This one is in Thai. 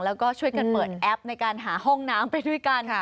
แล้วก็ช่วยกันเปิดแอปในการหาห้องน้ำไปด้วยกัน